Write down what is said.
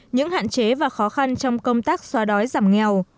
những hạn chế và khó khăn trong công tác xóa đói giảm nghèo